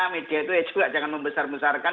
media itu juga jangan membesar besarkan